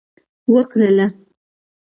وکرله